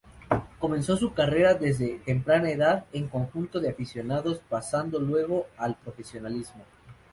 Comenzó su carrera desde temprana edad, en conjunto de aficionados, pasando luego al profesionalismo.